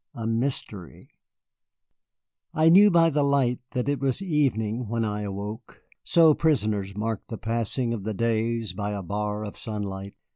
A MYSTERY I knew by the light that it was evening when I awoke. So prisoners mark the passing of the days by a bar of sun light.